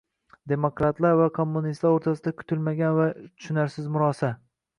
demokratlar va kommunistlar o‘rtasida kutilmagan va tushunarsiz murosa